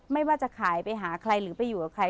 ไม่ว่าจะขายไปหาใครหรือไปอยู่กับใคร